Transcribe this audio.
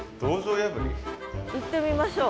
行ってみましょう。